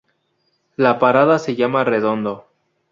La parada se llama Redondo.